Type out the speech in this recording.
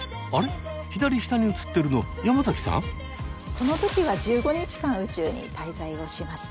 この時は１５日間宇宙に滞在をしました。